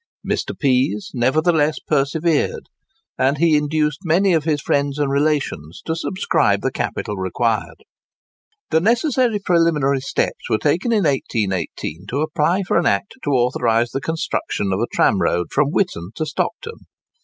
Mr. Pease nevertheless persevered; and he induced many of his friends and relations to subscribe the capital required. The necessary preliminary steps were taken in 1818 to apply for an act to authorise the construction of a tramroad from Witton to Stockton.